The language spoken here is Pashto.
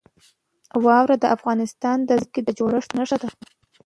واوره د افغانستان د ځمکې د جوړښت نښه ده.